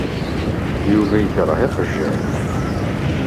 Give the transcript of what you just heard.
Yuba ikreh iqjan.